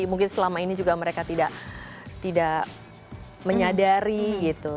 mungkin selama ini juga mereka tidak menyadari gitu